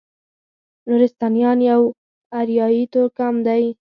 نورستانیان یو اریایي توکم دی.